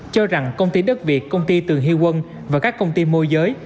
cho rằng công ty đất việt công ty từ hy quân và các công ty môi giới